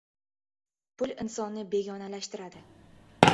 • Pul insonni begonalashtiradi.